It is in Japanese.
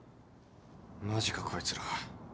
マジかこいつら。